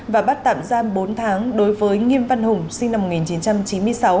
và bắt tạm giam bốn tháng đối với nghiêm văn hùng sinh năm một nghìn chín trăm chín mươi sáu